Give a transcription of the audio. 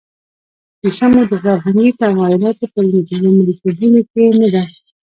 کیسه مو د فرهنګي تمایلاتو په لومړیتوبونو کې نه ده.